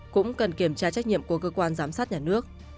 cũng cần kiểm tra trách nhiệm của cơ quan giám sát nhà nước